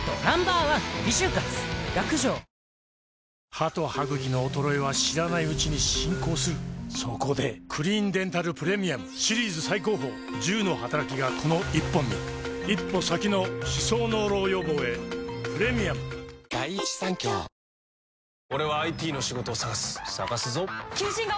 歯と歯ぐきの衰えは知らないうちに進行するそこで「クリーンデンタルプレミアム」シリーズ最高峰１０のはたらきがこの１本に一歩先の歯槽膿漏予防へプレミアムあ゛ーーー！